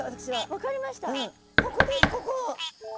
ここですここ。